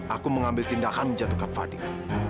aku mengambil tindakan menjatuhkan fadil